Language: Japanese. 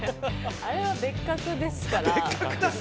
あれは別格ですから。